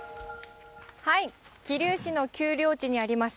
桐生市の丘陵地にあります